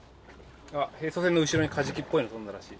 並走船の後ろに、カジキっぽいの跳んだらしい。